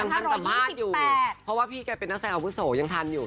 เพราะว่าพี่แกเป็นนักแสงอาวุศโหยังทันอยู่